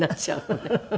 フフフフ。